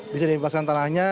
bisa dibebaskan tanahnya